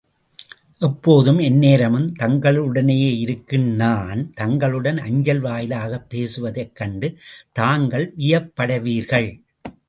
எப்போதும், எந்நேரமும் தங்களுடனேயே இருக்கும் நான், தங்களுடன் அஞ்சல் வாயிலாகப் பேசுவதைக் கண்டு தாங்கள் வியப்படைவீர்கள்.